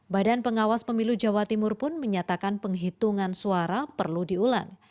badan pengawas pemilu jawa timur pun menyatakan penghitungan suara perlu diulang